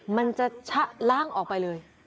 มันจะชะล่างออกไปเลย